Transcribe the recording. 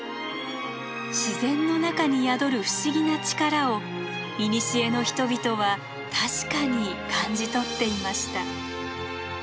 自然の中に宿る不思議な力を古の人々は確かに感じ取っていました。